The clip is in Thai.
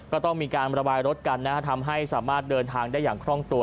ก็ต้องมีการระบายรถกันนะฮะทำให้สามารถเดินทางได้อย่างคล่องตัว